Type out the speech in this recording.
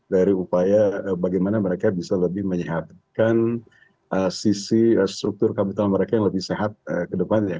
dari upaya bagaimana mereka bisa lebih menyehatkan sisi struktur capital mereka yang lebih sehat ke depannya